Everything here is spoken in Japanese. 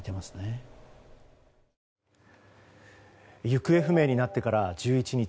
行方不明になってから１１日。